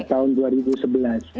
tahun dua ribu sebelas